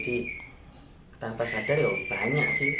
dan tanpa sadar ya banyak sih